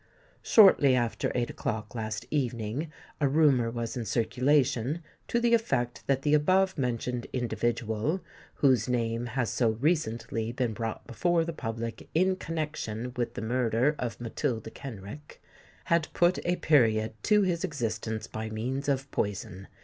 "Shortly after eight o'clock last evening a rumour was in circulation, to the effect that the above mentioned individual, whose name has so recently been brought before the public in connection with the murder of Matilda Kenrick, had put a period to his existence by means of poison.